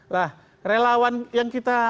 nah relawan yang kita